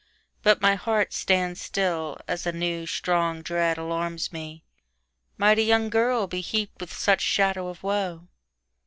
But my heart stands still, as a new, strong dread alarmsMe; might a young girl be heaped with such shadow of woe?